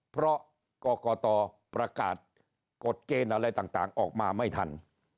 เพราะกรกตประกาศกฎเกณฑ์อะไรต่างออกมาไม่ทัน